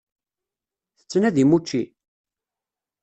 Tettnadim učči?